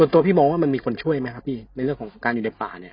ตัวพี่มองว่ามันมีคนช่วยไหมครับพี่ในเรื่องของการอยู่ในป่าเนี่ย